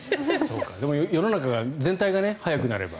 世の中が全体が早くなれば。